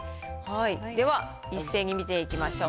では、一斉に見ていきましょう。